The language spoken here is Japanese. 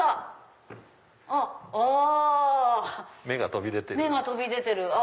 目が飛び出てる。